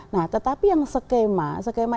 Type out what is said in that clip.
nah tetapi yang skema